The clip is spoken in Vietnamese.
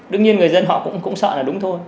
nhưng người dân họ cũng sợ là đúng thôi